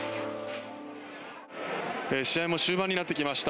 試合も終盤になってきました。